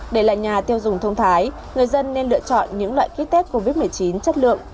để lại nhà tiêu dùng thông thái người dân nên lựa chọn những loại kit test covid một mươi chín chất lượng